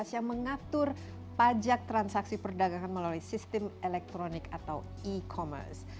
yang mengatur pajak transaksi perdagangan melalui sistem elektronik atau e commerce